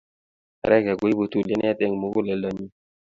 reggae koibu tulianet eng mukuleldo nyuu